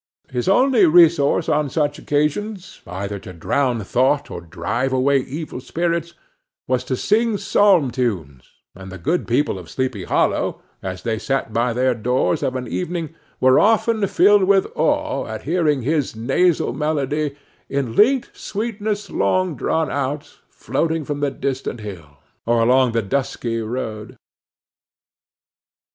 His only resource on such occasions, either to drown thought or drive away evil spirits, was to sing psalm tunes and the good people of Sleepy Hollow, as they sat by their doors of an evening, were often filled with awe at hearing his nasal melody, "in linked sweetness long drawn out," floating from the distant hill, or along the dusky road.